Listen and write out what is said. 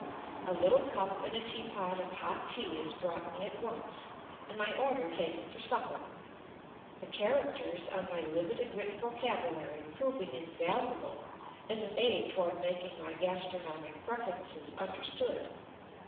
A little cup and a teapot of hot tea is brought me at once, and my order taken for supper; the characters on ray limited written vocabulary proving invaluable as an aid toward making my g astro nomic preferences understood.